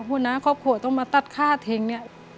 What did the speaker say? หัวหน้าครอบครัวต้องมาตัดค่าเท็งเนี่ย